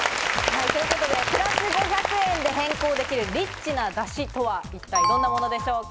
プラス５００円で変更できるリッチなだしとは一体どんなものでしょうか？